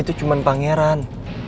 itu cuman pangeran